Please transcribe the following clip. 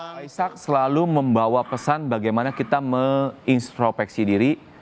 pak faisak selalu membawa pesan bagaimana kita menginstropeksi diri